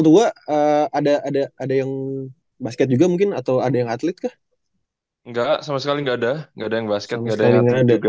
tua ada ada yang basket juga mungkin atau ada yang atlet nggak sama sekali enggak dekat enggan